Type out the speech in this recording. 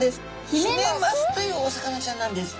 ヒメマスというお魚ちゃんなんです！